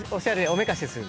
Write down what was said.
おめかしする。